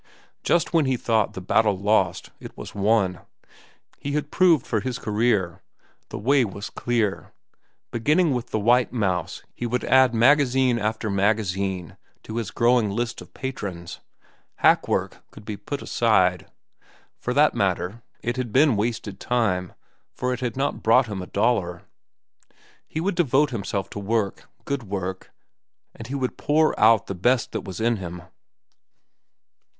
Just when he thought the battle lost, it was won. He had proved for his career. The way was clear. Beginning with the White Mouse he would add magazine after magazine to his growing list of patrons. Hack work could be put aside. For that matter, it had been wasted time, for it had not brought him a dollar. He would devote himself to work, good work, and he would pour out the best that was in him.